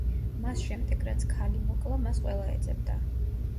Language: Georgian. მას შემდეგ, რაც ქალი მოკლა, მას ყველა ეძებდა.